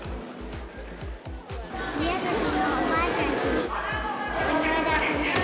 宮崎のおばあちゃんちに。